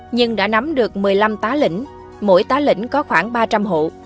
nhưng đã nắm được một mươi năm tá lĩnh mỗi tá lĩnh có khoảng ba trăm linh hộ